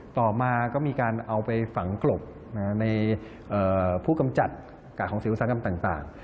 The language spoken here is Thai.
ต่อมาก็มีการเอาไปฝังกลบในผู้กำจัดกากของสื่ออุตสาหกรรมต่าง